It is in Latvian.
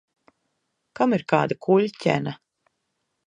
Kam ir kāda kuļķene?